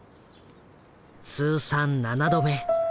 通算７度目。